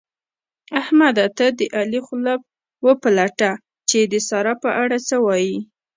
احمده! ته د علي خوله وپلټه چې د سارا په اړه څه وايي؟